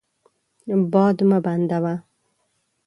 باد مه بندوه.